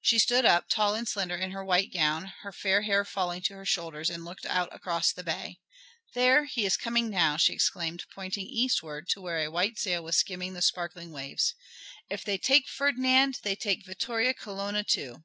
She stood up, tall and slender in her white gown, her fair hair falling to her shoulders, and looked out across the bay. "There, he is coming now," she exclaimed, pointing eastward to where a white sail was skimming the sparkling waves. "If they take Ferdinand they take Vittoria Colonna too."